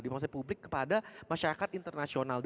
di maksudnya publik kepada masyarakat internasional